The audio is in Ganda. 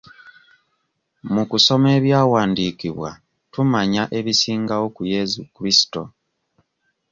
Mu kusoma ebyawandiikibwa, tumanya ebisingawo ku Yesu Krisitu.